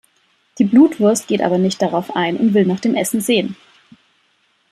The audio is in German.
Die Blutwurst geht aber nicht darauf ein und will nach dem Essen sehen.